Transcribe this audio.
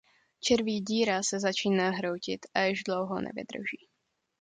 Červí díra se začíná hroutit a již dlouho nevydrží.